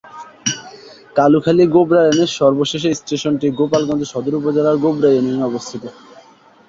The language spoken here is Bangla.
কালুখালী-গোবরা লাইনের সর্বশেষ এই স্টেশনটি গোপালগঞ্জ সদর উপজেলার গোবরা ইউনিয়নে অবস্থিত।